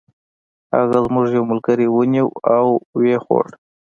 هغه زموږ یو ملګری ونیوه او و یې خوړ.